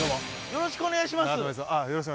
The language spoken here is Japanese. よろしくお願いします。